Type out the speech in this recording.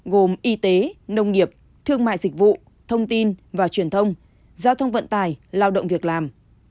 gồm y tế nông nghiệp thương mại dịch vụ thông tin và truyền thông giao thông vận tài lao động việc làm